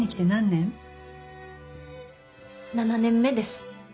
７年目です。